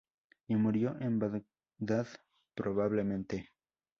Y murió en Bagdad probablemente.